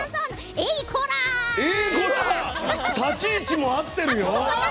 立ち位置も合ってるよ。